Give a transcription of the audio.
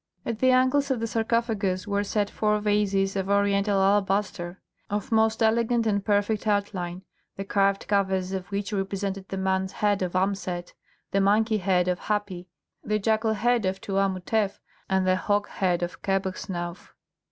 At the angles of the sarcophagus were set four vases of oriental alabaster, of most elegant and perfect outline, the carved covers of which represented the man's head of Amset, the monkey head of Hapi, the jackal head of Tuamutef, and the hawk head of Kebhsnauf.